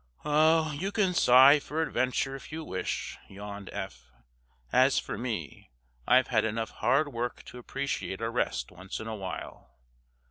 "Oh, you can sigh for adventure, if you wish," yawned Eph. "As for me, I've had enough hard work to appreciate a rest once in a while.